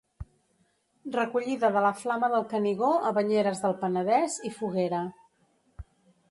Recollida de la Flama del Canigó a Banyeres del Penedès i foguera.